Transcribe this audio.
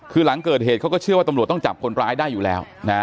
คือหลังเกิดเหตุเขาก็เชื่อว่าตำรวจต้องจับคนร้ายได้อยู่แล้วนะ